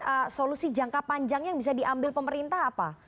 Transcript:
ee solusi jangka panjangnya yang bisa diambil pemerintah apa